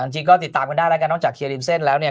จริงก็ติดตามกันได้แล้วกันนอกจากเคลียร์ริมเส้นแล้วเนี่ย